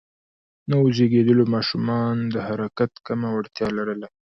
نوو زېږیدليو ماشومان د حرکت کمه وړتیا لرله.